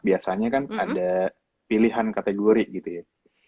biasanya kan ada pilihan kategori gitu ya